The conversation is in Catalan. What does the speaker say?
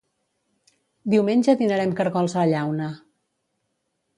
Diumenge dinarem cargols a la llauna